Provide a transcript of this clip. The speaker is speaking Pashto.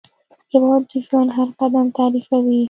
هېواد د ژوند هر قدم تعریفوي.